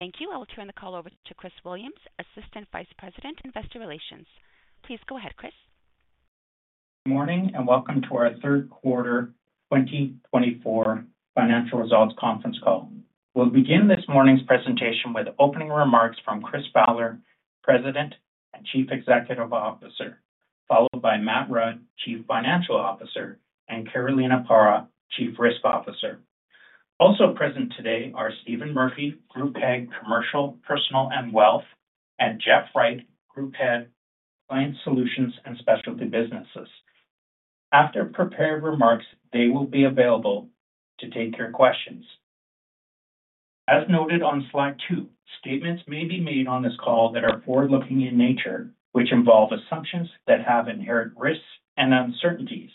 Thank you. I will turn the call over to Chris Williams, Assistant Vice President, Investor Relations. Please go ahead, Chris. Good morning, and welcome to our third quarter 2024 financial results conference call. We'll begin this morning's presentation with opening remarks from Chris Fowler, President and Chief Executive Officer, followed by Matt Rudd, Chief Financial Officer, and Carolina Parra, Chief Risk Officer. Also present today are Steven Murphy, Group Head, Commercial, Personal, and Wealth, and Jeff Wright, Group Head, Client Solutions and Specialty Businesses. After prepared remarks, they will be available to take your questions. As noted on slide two, statements may be made on this call that are forward-looking in nature, which involve assumptions that have inherent risks and uncertainties.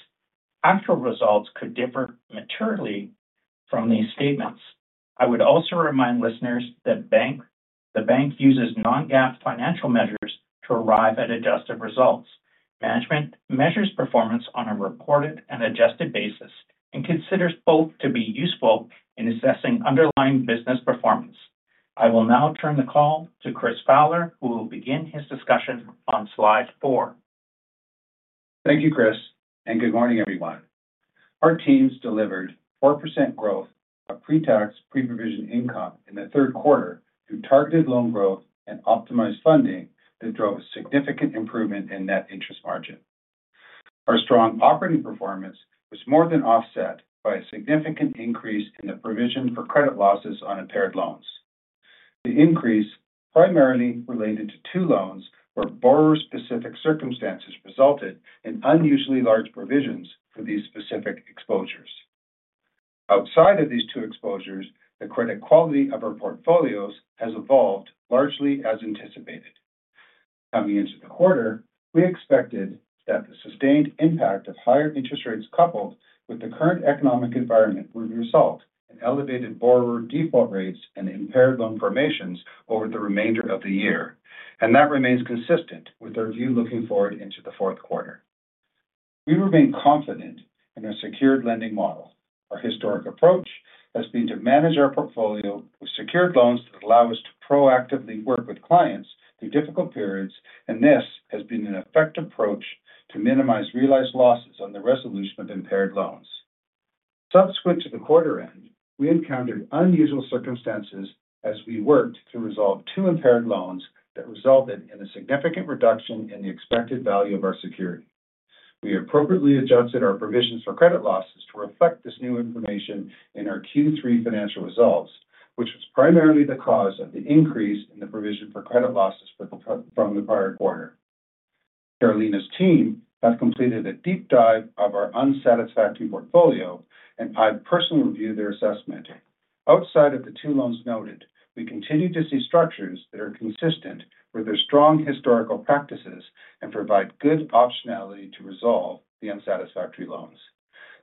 Actual results could differ materially from these statements. I would also remind listeners that the bank uses non-GAAP financial measures to arrive at adjusted results. Management measures performance on a reported and adjusted basis and considers both to be useful in assessing underlying business performance. I will now turn the call to Chris Fowler, who will begin his discussion on slide four. Thank you, Chris, and good morning, everyone. Our teams delivered 4% growth of pre-tax, pre-provision income in the third quarter through targeted loan growth and optimized funding that drove a significant improvement in net interest margin. Our strong operating performance was more than offset by a significant increase in the provision for credit losses on impaired loans. The increase primarily related to two loans where borrower-specific circumstances resulted in unusually large provisions for these specific exposures. Outside of these two exposures, the credit quality of our portfolios has evolved largely as anticipated. Coming into the quarter, we expected that the sustained impact of higher interest rates, coupled with the current economic environment, would result in elevated borrower default rates and impaired loan formations over the remainder of the year, and that remains consistent with our view looking forward into the fourth quarter. We remain confident in our secured lending model. Our historic approach has been to manage our portfolio with secured loans that allow us to proactively work with clients through difficult periods, and this has been an effective approach to minimize realized losses on the resolution of impaired loans. Subsequent to the quarter end, we encountered unusual circumstances as we worked to resolve two impaired loans that resulted in a significant reduction in the expected value of our security. We appropriately adjusted our provisions for credit losses to reflect this new information in our Q3 financial results, which was primarily the cause of the increase in the provision for credit losses from the prior quarter. Carolina's team have completed a deep dive of our unsatisfactory portfolio, and I've personally reviewed their assessment. Outside of the two loans noted, we continue to see structures that are consistent with their strong historical practices and provide good optionality to resolve the unsatisfactory loans.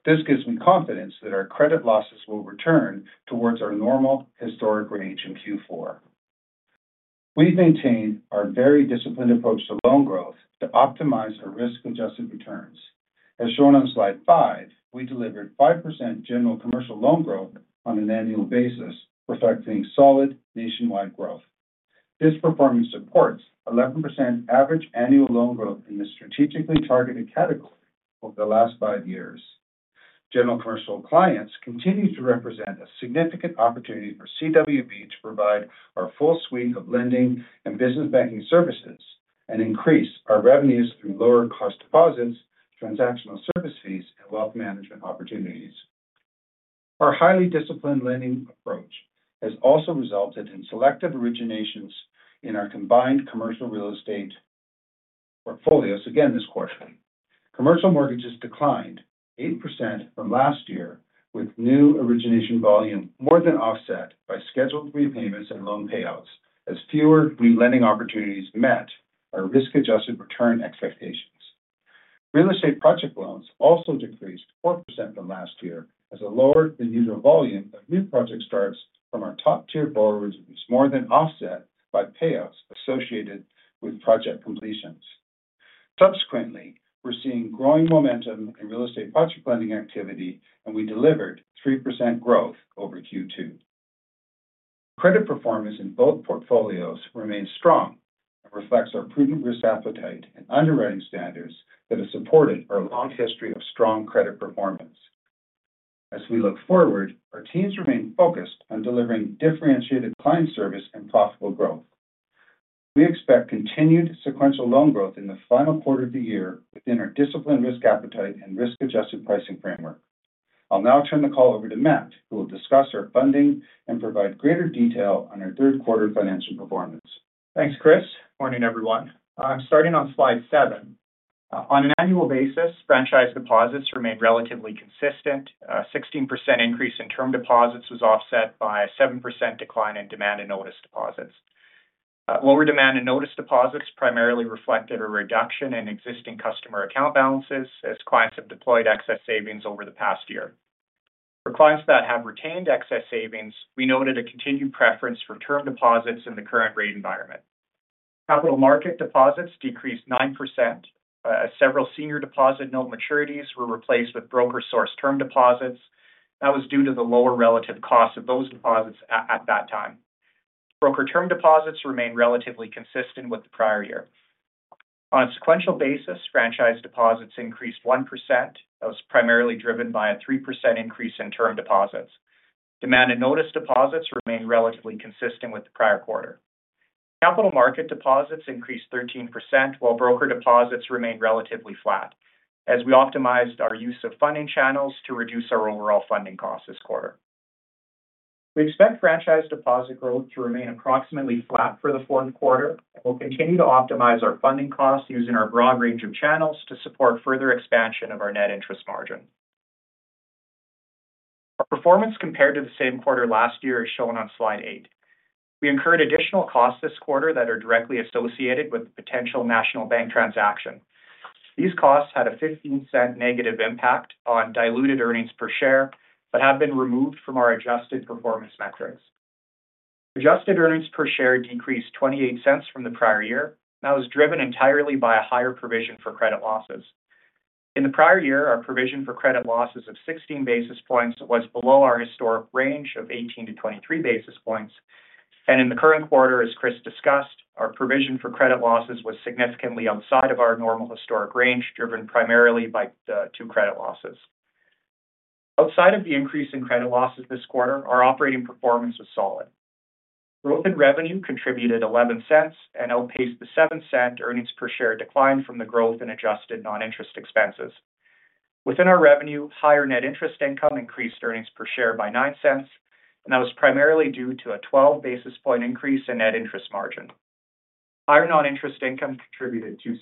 This gives me confidence that our credit losses will return towards our normal historic range in Q4. We've maintained our very disciplined approach to loan growth to optimize our risk-adjusted returns. As shown on slide 5, we delivered 5% general commercial loan growth on an annual basis, reflecting solid nationwide growth. This performance supports 11% average annual loan growth in the strategically targeted category over the last five years. General commercial clients continue to represent a significant opportunity for CWB to provide our full suite of lending and business banking services and increase our revenues through lower cost deposits, transactional service fees, and wealth management opportunities. Our highly disciplined lending approach has also resulted in selective originations in our combined commercial real estate portfolios again this quarter. Commercial mortgages declined 8% from last year, with new origination volume more than offset by scheduled repayments and loan payouts, as fewer relending opportunities met our risk-adjusted return expectations. Real estate project loans also decreased 4% from last year, as a lower than usual volume of new project starts from our top-tier borrowers was more than offset by payouts associated with project completions. Subsequently, we're seeing growing momentum in real estate project lending activity, and we delivered 3% growth over Q2. Credit performance in both portfolios remains strong and reflects our prudent risk appetite and underwriting standards that have supported our long history of strong credit performance. As we look forward, our teams remain focused on delivering differentiated client service and profitable growth. We expect continued sequential loan growth in the final quarter of the year within our disciplined risk appetite and risk-adjusted pricing framework. I'll now turn the call over to Matt, who will discuss our funding and provide greater detail on our third quarter financial performance. Thanks, Chris. Morning, everyone. I'm starting on slide seven. On an annual basis, franchise deposits remain relatively consistent. A 16% increase in term deposits was offset by a 7% decline in demand and notice deposits. Lower demand and notice deposits primarily reflected a reduction in existing customer account balances as clients have deployed excess savings over the past year. For clients that have retained excess savings, we noted a continued preference for term deposits in the current rate environment.... Capital market deposits decreased 9%. Several senior deposit note maturities were replaced with broker-sourced term deposits. That was due to the lower relative cost of those deposits at that time. Broker term deposits remained relatively consistent with the prior year. On a sequential basis, franchise deposits increased 1%. That was primarily driven by a 3% increase in term deposits. Demand and notice deposits remained relatively consistent with the prior quarter. Capital market deposits increased 13%, while broker deposits remained relatively flat, as we optimized our use of funding channels to reduce our overall funding costs this quarter. We expect franchise deposit growth to remain approximately flat for the fourth quarter, and we'll continue to optimize our funding costs using our broad range of channels to support further expansion of our net interest margin. Our performance compared to the same quarter last year is shown on slide eight. We incurred additional costs this quarter that are directly associated with the potential National Bank transaction. These costs had a 0.15 negative impact on diluted earnings per share but have been removed from our adjusted performance metrics. Adjusted earnings per share decreased 0.28 from the prior year. That was driven entirely by a higher provision for credit losses. In the prior year, our provision for credit losses of 16 basis points was below our historic range of 18-23 basis points, and in the current quarter, as Chris discussed, our provision for credit losses was significantly outside of our normal historic range, driven primarily by the two credit losses. Outside of the increase in credit losses this quarter, our operating performance was solid. Growth in revenue contributed 0.11 and outpaced the seven-cent earnings per share decline from the growth in adjusted non-interest expenses. Within our revenue, higher net interest income increased earnings per share by 0.09, and that was primarily due to a twelve basis point increase in net interest margin. Higher non-interest income contributed 0.02.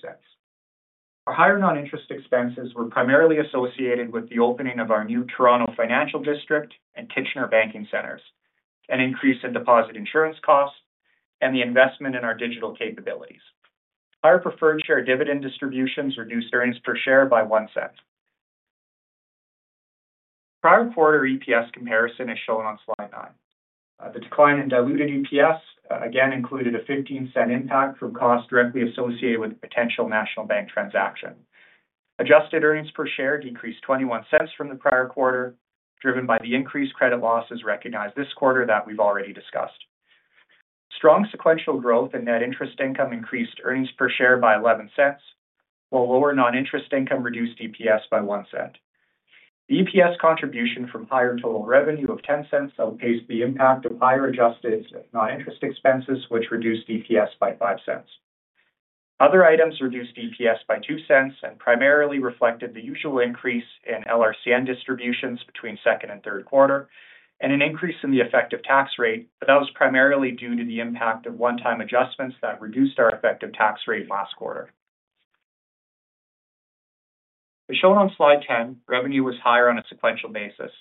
Our higher non-interest expenses were primarily associated with the opening of our new Toronto Financial District and Kitchener banking centers, an increase in deposit insurance costs, and the investment in our digital capabilities. Our preferred share dividend distributions reduced earnings per share by one cent. Prior quarter EPS comparison is shown on slide nine. The decline in diluted EPS, again, included a fifteen-cent impact from costs directly associated with the potential National Bank transaction. Adjusted earnings per share decreased 0.21 from the prior quarter, driven by the increased credit losses recognized this quarter that we've already discussed. Strong sequential growth in net interest income increased earnings per share by 0.11, while lower non-interest income reduced EPS by 0.01. EPS contribution from higher total revenue of 0.10 outpaced the impact of higher adjusted non-interest expenses, which reduced EPS by 0.05. Other items reduced EPS by 0.02 and primarily reflected the usual increase in LRCN distributions between second and third quarter, and an increase in the effective tax rate, but that was primarily due to the impact of one-time adjustments that reduced our effective tax rate last quarter. As shown on slide 10, revenue was higher on a sequential basis.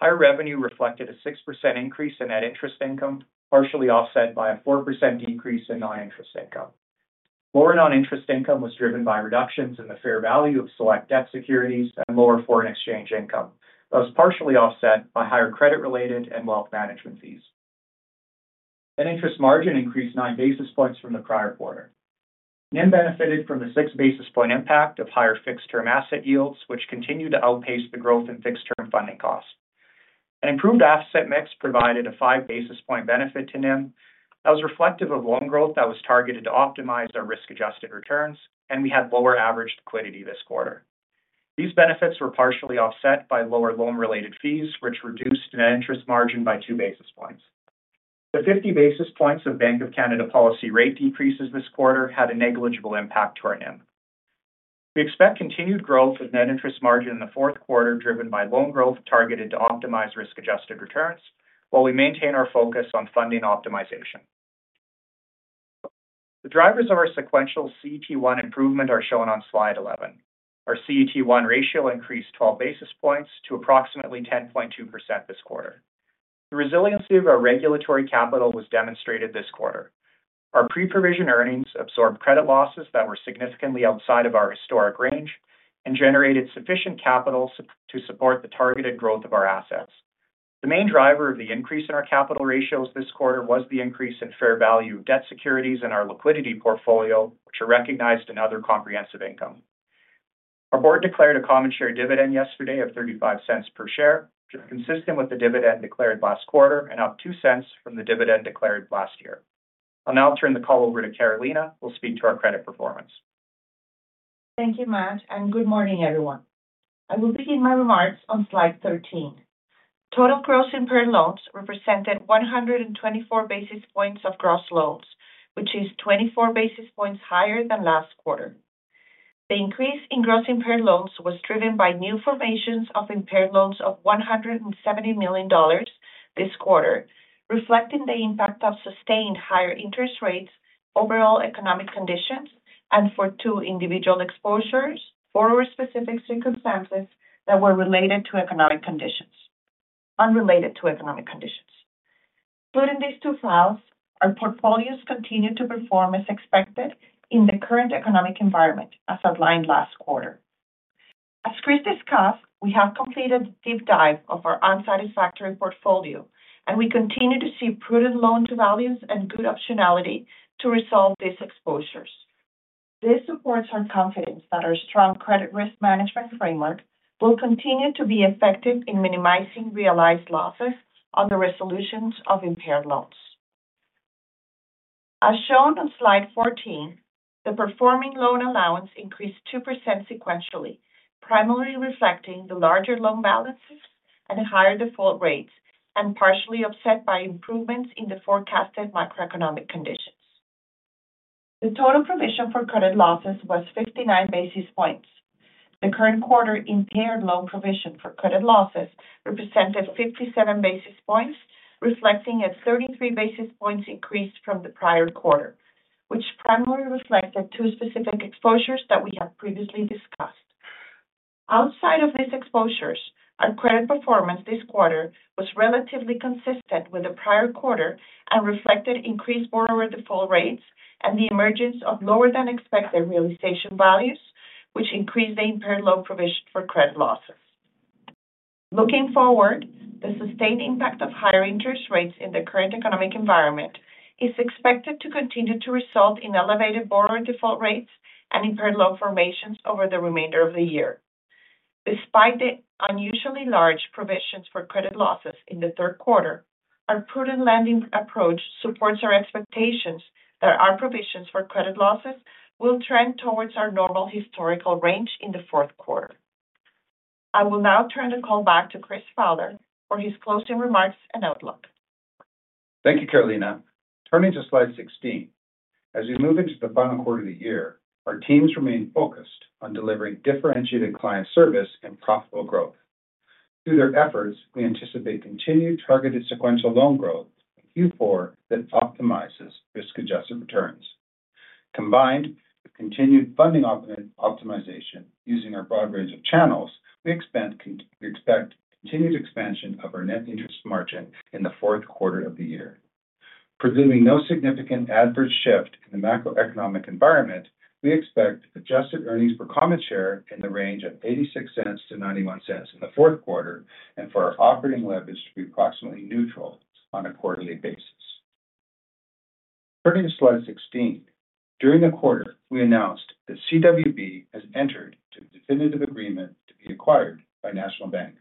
Higher revenue reflected a 6% increase in net interest income, partially offset by a 4% decrease in non-interest income. Lower non-interest income was driven by reductions in the fair value of select debt securities and lower foreign exchange income. That was partially offset by higher credit-related and wealth management fees. Net interest margin increased nine basis points from the prior quarter. NIM benefited from the six basis point impact of higher fixed-term asset yields, which continued to outpace the growth in fixed-term funding costs. An improved asset mix provided a five basis point benefit to NIM. That was reflective of loan growth that was targeted to optimize our risk-adjusted returns, and we had lower average liquidity this quarter. These benefits were partially offset by lower loan-related fees, which reduced net interest margin by two basis points. The fifty basis points of Bank of Canada policy rate decreases this quarter had a negligible impact to our NIM. We expect continued growth of net interest margin in the fourth quarter, driven by loan growth targeted to optimize risk-adjusted returns, while we maintain our focus on funding optimization. The drivers of our sequential CET1 improvement are shown on slide 11. Our CET1 ratio increased twelve basis points to approximately 10.2% this quarter. The resiliency of our regulatory capital was demonstrated this quarter. Our pre-provision earnings absorbed credit losses that were significantly outside of our historic range and generated sufficient capital to support the targeted growth of our assets. The main driver of the increase in our capital ratios this quarter was the increase in fair value of debt securities in our liquidity portfolio, which are recognized in other comprehensive income. Our board declared a common share dividend yesterday of 0.35 per share, which is consistent with the dividend declared last quarter and up 0.02 from the dividend declared last year. I'll now turn the call over to Carolina, who will speak to our credit performance. Thank you, Matt, and good morning, everyone. I will begin my remarks on slide 13. Total gross impaired loans represented 124 basis points of gross loans, which is 24 basis points higher than last quarter. The increase in gross impaired loans was driven by new formations of impaired loans of 170 million dollars this quarter, reflecting the impact of sustained higher interest rates, overall economic conditions, and for two individual exposures, borrower-specific circumstances that were related to economic conditions, unrelated to economic conditions. Including these two files, our portfolios continued to perform as expected in the current economic environment, as outlined last quarter. As Chris discussed, we have completed a deep dive of our unsatisfactory portfolio, and we continue to see prudent loan to values and good optionality to resolve these exposures. This supports our confidence that our strong credit risk management framework will continue to be effective in minimizing realized losses on the resolutions of impaired loans. As shown on slide 14, the performing loan allowance increased 2% sequentially, primarily reflecting the larger loan balances and higher default rates, and partially offset by improvements in the forecasted macroeconomic conditions. The total provision for credit losses was 59 basis points. The current quarter impaired loan provision for credit losses represented 57 basis points, reflecting a 33 basis points increase from the prior quarter, which primarily reflected two specific exposures that we have previously discussed. Outside of these exposures, our credit performance this quarter was relatively consistent with the prior quarter and reflected increased borrower default rates and the emergence of lower than expected realization values, which increased the impaired loan provision for credit losses. Looking forward, the sustained impact of higher interest rates in the current economic environment is expected to continue to result in elevated borrower default rates and impaired loan formations over the remainder of the year. Despite the unusually large provisions for credit losses in the third quarter, our prudent lending approach supports our expectations that our provisions for credit losses will trend towards our normal historical range in the fourth quarter. I will now turn the call back to Chris Fowler for his closing remarks and outlook. Thank you, Carolina. Turning to slide 16. As we move into the final quarter of the year, our teams remain focused on delivering differentiated client service and profitable growth. Through their efforts, we anticipate continued targeted sequential loan growth in Q4 that optimizes risk-adjusted returns. Combined with continued funding optimization using our broad range of channels, we expect we expect continued expansion of our net interest margin in the fourth quarter of the year. Presuming no significant adverse shift in the macroeconomic environment, we expect adjusted earnings per common share in the range of 0.86 to 0.91 in the fourth quarter, and for our operating leverage to be approximately neutral on a quarterly basis. Turning to slide 16. During the quarter, we announced that CWB has entered into a definitive agreement to be acquired by National Bank.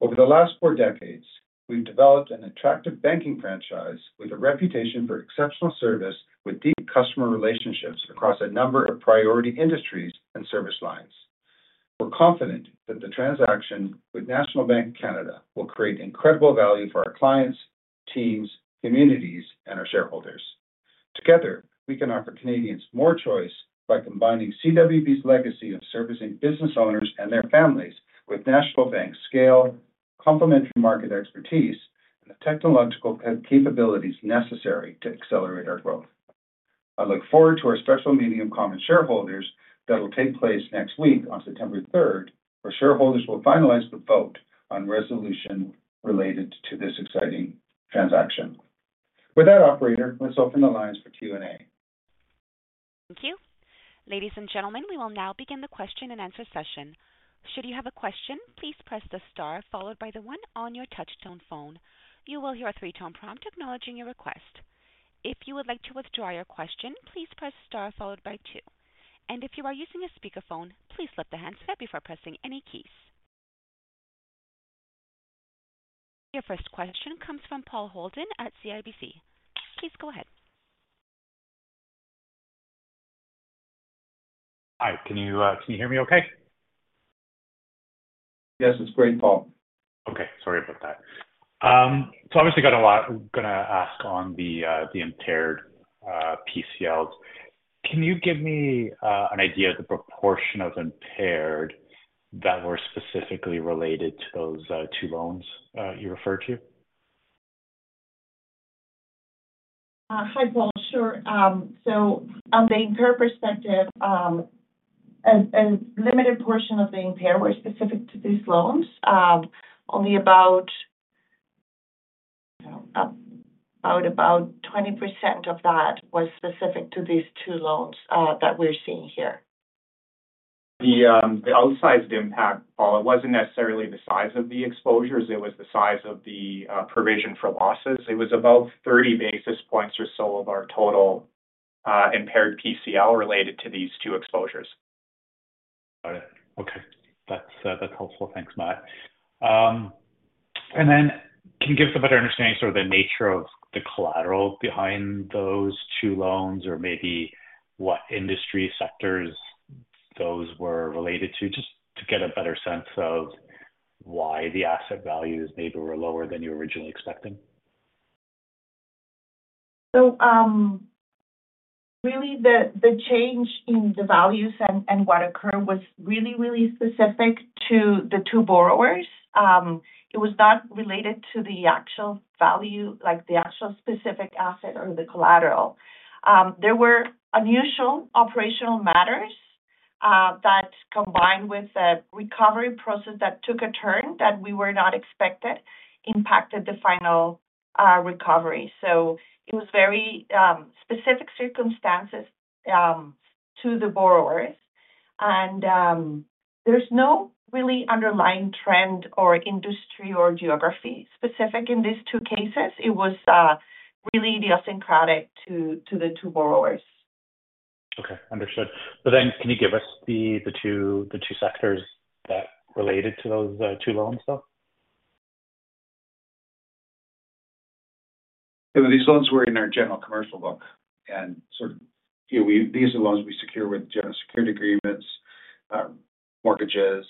Over the last four decades, we've developed an attractive banking franchise with a reputation for exceptional service, with deep customer relationships across a number of priority industries and service lines. We're confident that the transaction with National Bank of Canada will create incredible value for our clients, teams, communities, and our shareholders. Together, we can offer Canadians more choice by combining CWB's legacy of servicing business owners and their families with National Bank's scale, complementary market expertise, and the technological capabilities necessary to accelerate our growth. I look forward to our special meeting of common shareholders that will take place next week on September third, where shareholders will finalize the vote on resolution related to this exciting transaction. With that, operator, let's open the lines for Q&A. Thank you. Ladies and gentlemen, we will now begin the question-and-answer session. Should you have a question, please press the star followed by the one on your touch tone phone. You will hear a three-tone prompt acknowledging your request. If you would like to withdraw your question, please press star followed by two. And if you are using a speakerphone, please lift the handset before pressing any keys. Your first question comes from Paul Holden at CIBC. Please go ahead. Hi, can you, can you hear me okay? Yes, it's great, Paul. Okay, sorry about that. So obviously got a lot gonna ask on the impaired PCLs. Can you give me an idea of the proportion of impaired that were specifically related to those two loans you referred to? Hi, Paul. Sure. So on the impaired perspective, a limited portion of the impaired were specific to these loans. Only about 20% of that was specific to these two loans that we're seeing here. The outsized impact, Paul, it wasn't necessarily the size of the exposures, it was the size of the provision for losses. It was about 30 basis points or so of our total impaired PCL related to these two exposures. Got it. Okay. That's helpful. Thanks, Matt. And then can you give us a better understanding of sort of the nature of the collateral behind those two loans or maybe what industry sectors those were related to, just to get a better sense of why the asset values maybe were lower than you originally expected? So, really, the change in the values and what occurred was really specific to the two borrowers. It was not related to the actual value, like the actual specific asset or the collateral. There were unusual operational matters that combined with a recovery process that took a turn that we were not expected, impacted the final recovery. So it was very specific circumstances to the borrowers. And, there's no really underlying trend or industry or geography specific in these two cases. It was really idiosyncratic to the two borrowers. Okay, understood. But then can you give us the two sectors that related to those two loans, though? These loans were in our general commercial book, and sort of, you know, these are the loans we secure with general security agreements, mortgages,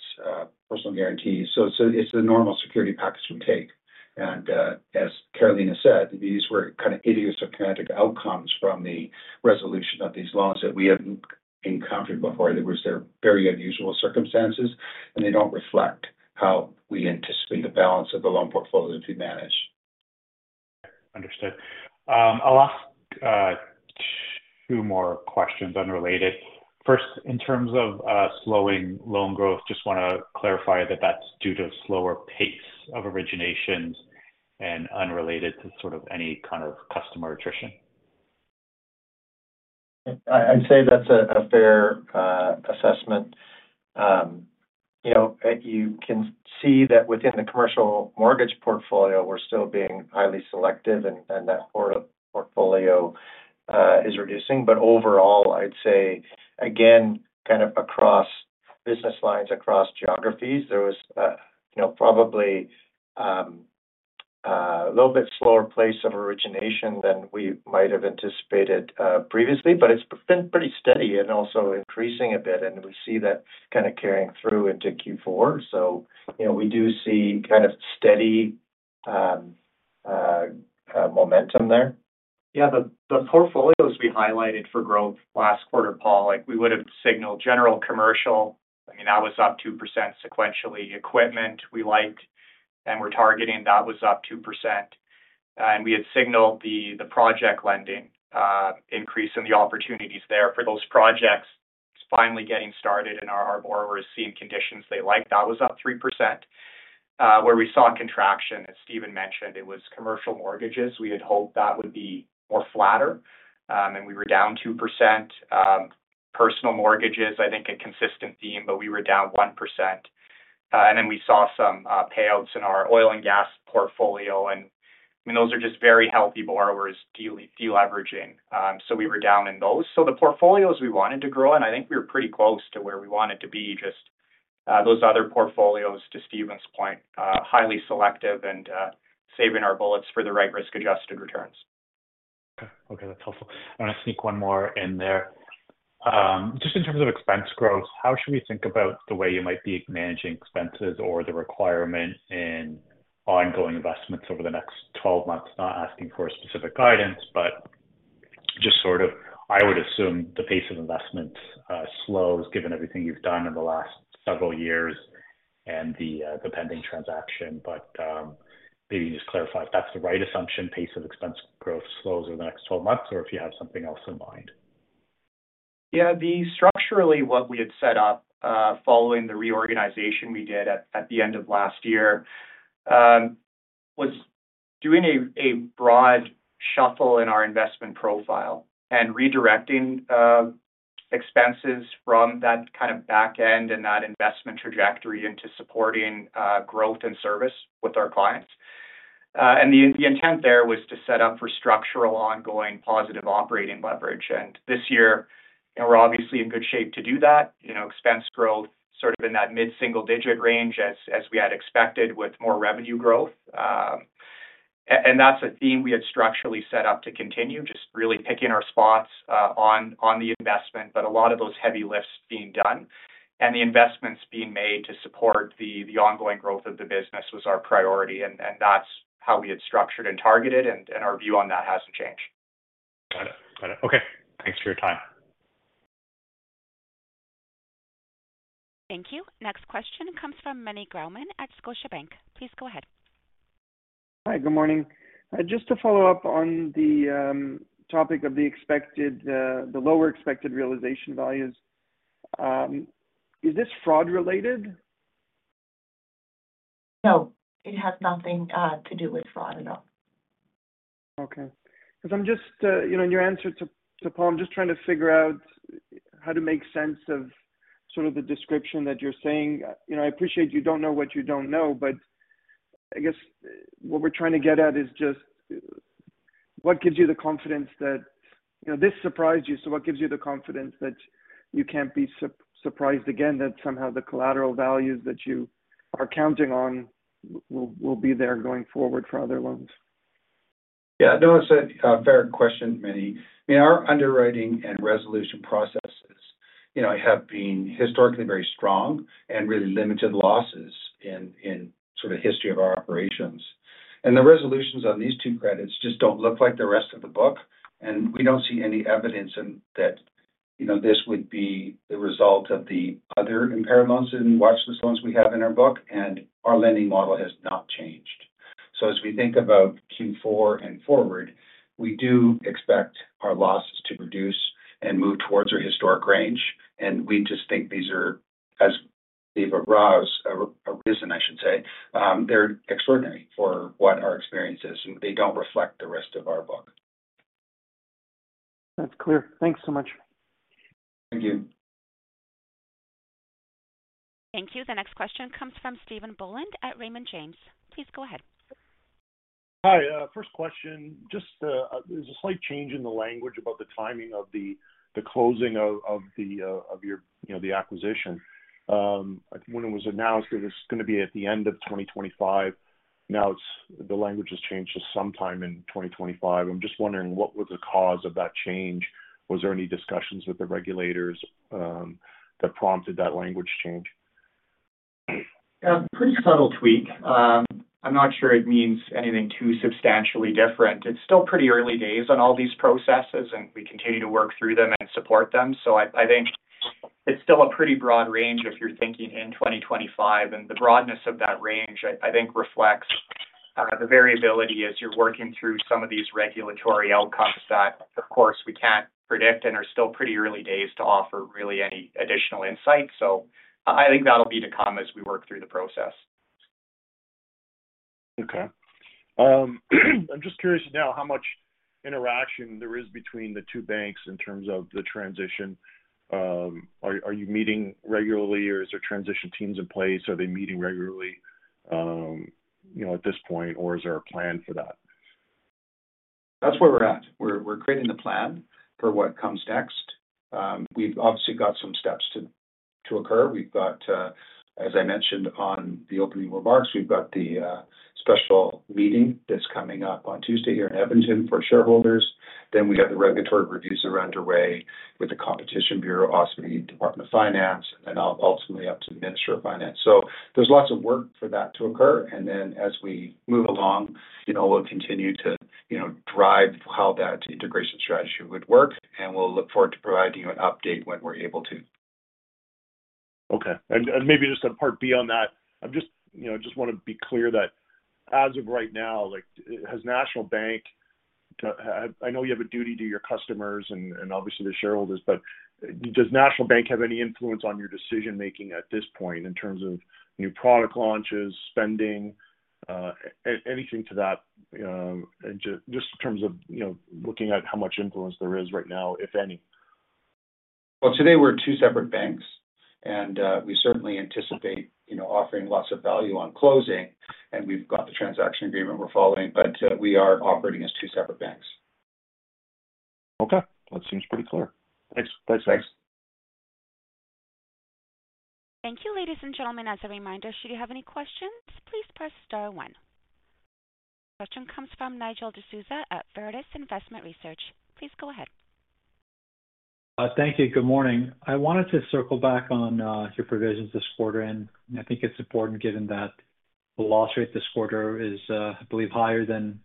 personal guarantees. So, so it's the normal security package we take. And, as Carolina said, these were kind of idiosyncratic outcomes from the resolution of these loans that we hadn't encountered before. There was their very unusual circumstances, and they don't reflect how we anticipate the balance of the loan portfolio to be managed. Understood. I'll ask two more questions, unrelated. First, in terms of slowing loan growth, just wanna clarify that that's due to slower pace of originations and unrelated to sort of any kind of customer attrition. I'd say that's a fair assessment. You know, you can see that within the commercial mortgage portfolio, we're still being highly selective and that portfolio is reducing. But overall, I'd say again, kind of across business lines, across geographies, there was you know, probably a little bit slower pace of origination than we might have anticipated previously. But it's been pretty steady and also increasing a bit, and we see that kind of carrying through into Q4. So, you know, we do see kind of steady momentum there. Yeah, the portfolios we highlighted for growth last quarter, Paul, like, we would've signaled general commercial. I mean, that was up 2% sequentially. Equipment, we liked, and we're targeting, that was up 2%. And we had signaled the project lending increase in the opportunities there for those projects. It's finally getting started, and our borrowers are seeing conditions they like. That was up 3%. Where we saw a contraction, as Steven mentioned, it was commercial mortgages. We had hoped that would be more flatter, and we were down 2%. Personal mortgages, I think a consistent theme, but we were down 1%. And then we saw some payouts in our oil and gas portfolio, and, I mean, those are just very healthy borrowers deleveraging. So we were down in those. So the portfolios we wanted to grow, and I think we were pretty close to where we wanted to be, just, those other portfolios, to Steven's point, highly selective and, saving our bullets for the right risk-adjusted returns. Okay. Okay, that's helpful. I'm gonna sneak one more in there. Just in terms of expense growth, how should we think about the way you might be managing expenses or the requirement in ongoing investments over the next 12 months? Not asking for specific guidance, but just sort of I would assume the pace of investment slows, given everything you've done in the last several years and the pending transaction. But maybe just clarify if that's the right assumption, pace of expense growth slows over the next 12 months, or if you have something else in mind. Yeah, structurally, what we had set up following the reorganization we did at the end of last year was doing a broad shuffle in our investment profile and redirecting expenses from that kind of back end and that investment trajectory into supporting growth and service with our clients. And the intent there was to set up for structural, ongoing, positive operating leverage. And this year, we're obviously in good shape to do that, you know, expense growth sort of in that mid-single digit range as we had expected, with more revenue growth. And that's a theme we had structurally set up to continue, just really picking our spots on the investment, but a lot of those heavy lifts being done. And the investments being made to support the ongoing growth of the business was our priority, and that's how we had structured and targeted, and our view on that hasn't changed. Got it. Got it. Okay. Thanks for your time. Thank you. Next question comes from Meny Grauman at Scotiabank. Please go ahead. Hi, good morning. Just to follow up on the topic of the expected lower realization values, is this fraud related? No, it has nothing to do with fraud at all. Okay. Because I'm just, you know, in your answer to Paul, I'm just trying to figure out how to make sense of sort of the description that you're saying. You know, I appreciate you don't know what you don't know, but I guess what we're trying to get at is just what gives you the confidence that... You know, this surprised you, so what gives you the confidence that you can't be surprised again, that somehow the collateral values that you are counting on will be there going forward for other loans? Yeah, no, it's a fair question, Manny. I mean, our underwriting and resolution processes, you know, have been historically very strong and really limited losses in sort of history of our operations. The resolutions on these two credits just don't look like the rest of the book, and we don't see any evidence in that, you know, this would be the result of the other impaired loans and watch list loans we have in our book, and our lending model has not changed. So as we think about Q4 and forward, we do expect our losses to reduce and move towards our historic range, and we just think these are outliers, but those are a reason I should say they're extraordinary for what our experience is, and they don't reflect the rest of our book. That's clear. Thanks so much. Thank you. Thank you. The next question comes from Stephen Boland at Raymond James. Please go ahead. Hi. First question, just, there's a slight change in the language about the timing of the closing of your, you know, the acquisition. When it was announced, it was gonna be at the end of twenty twenty-five. Now, it's the language has changed to sometime in twenty twenty-five. I'm just wondering, what was the cause of that change? Was there any discussions with the regulators that prompted that language change? Pretty subtle tweak. I'm not sure it means anything too substantially different. It's still pretty early days on all these processes, and we continue to work through them and support them, so I think it's still a pretty broad range if you're thinking in twenty twenty-five, and the broadness of that range, I think, reflects the variability as you're working through some of these regulatory outcomes that, of course, we can't predict and are still pretty early days to offer really any additional insight, so I think that'll be to come as we work through the process. Okay. I'm just curious now how much interaction there is between the two banks in terms of the transition. Are you meeting regularly, or is there transition teams in place? Are they meeting regularly, you know, at this point, or is there a plan for that? That's where we're at. We're creating the plan for what comes next. We've obviously got some steps to occur. We've got, as I mentioned on the opening remarks, we've got the special meeting that's coming up on Tuesday here in Edmonton for shareholders. Then we have the regulatory reviews that are underway with the Competition Bureau, also the Department of Finance, and then ultimately up to the Minister of Finance. So there's lots of work for that to occur, and then as we move along, you know, we'll continue to, you know, drive how that integration strategy would work, and we'll look forward to providing an update when we're able. Okay. And maybe just a part B on that. I'm just, you know, just wanna be clear that as of right now, like, has National Bank to... I know you have a duty to your customers and obviously the shareholders, but does National Bank have any influence on your decision-making at this point in terms of new product launches, spending, anything to that, and just in terms of, you know, looking at how much influence there is right now, if any? Today we're two separate banks, and we certainly anticipate, you know, offering lots of value on closing, and we've got the transaction agreement we're following, but we are operating as two separate banks. Okay. Well, it seems pretty clear. Thanks. Thanks, guys. Thank you, ladies and gentlemen. As a reminder, should you have any questions, please press star one. Question comes from Nigel D'Souza at Veritas Investment Research. Please go ahead. Thank you. Good morning. I wanted to circle back on your provisions this quarter, and I think it's important given that the loss rate this quarter is, I believe, higher than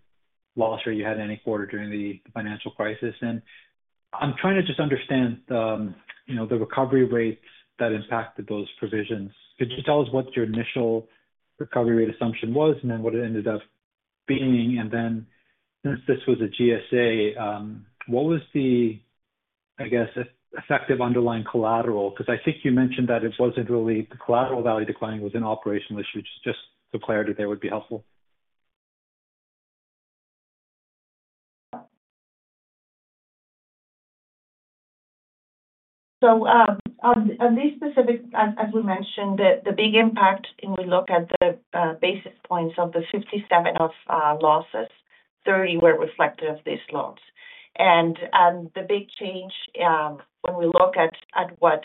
loss rate you had any quarter during the financial crisis. And I'm trying to just understand, you know, the recovery rates that impacted those provisions. Could you tell us what your initial recovery rate assumption was, and then what it ended up being? And then, since this was a GSA, what was the, I guess, effective underlying collateral? Because I think you mentioned that it wasn't really the collateral value declining, it was an operational issue. Just the clarity there would be helpful. So on this specific, as we mentioned, the big impact, and we look at the basis points of the 57 of losses, 30 were reflective of these loans. And the big change, when we look at what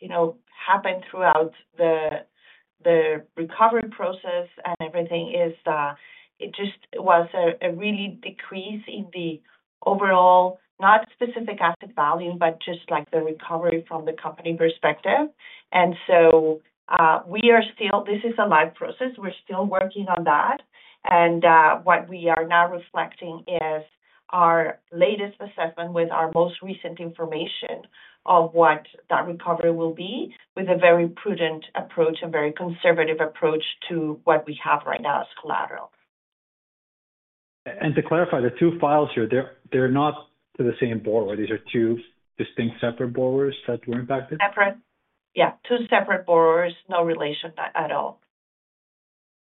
you know happened throughout the recovery process and everything is, it just was a really decrease in the overall, not specific asset value, but just like the recovery from the company perspective. And so we are still... This is a live process. We're still working on that. And what we are now reflecting is our latest assessment with our most recent information of what that recovery will be, with a very prudent approach and very conservative approach to what we have right now as collateral. To clarify, the two files here, they're not to the same borrower. These are two distinct, separate borrowers that were impacted? Separate. Yeah, two separate borrowers, no relation at all.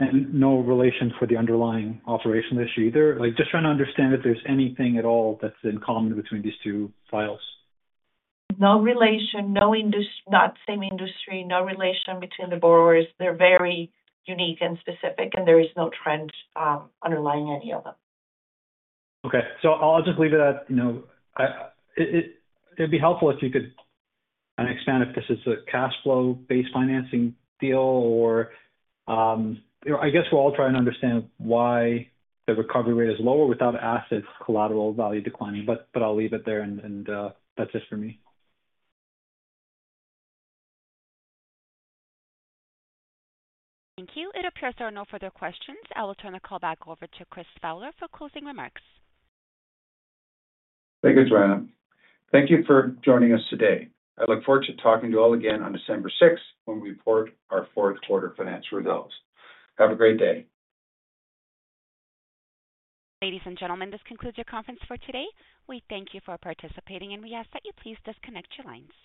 No relation for the underlying operation issue either? Like, just trying to understand if there's anything at all that's in common between these two files. No relation, not the same industry, no relation between the borrowers. They're very unique and specific, and there is no trend underlying any of them. Okay. So I'll just leave it at, you know, it'd be helpful if you could kind of expand if this is a cash flow-based financing deal or, you know, I guess we'll all try and understand why the recovery rate is lower without assets, collateral value declining. But I'll leave it there, and that's it for me. Thank you. It appears there are no further questions. I will turn the call back over to Chris Fowler for closing remarks. Thank you, Joanna. Thank you for joining us today. I look forward to talking to you all again on December sixth when we report our fourth quarter financial results. Have a great day. Ladies and gentlemen, this concludes your conference for today. We thank you for participating, and we ask that you please disconnect your lines.